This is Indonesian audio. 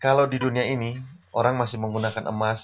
kalau di dunia ini orang masih menggunakan emas murni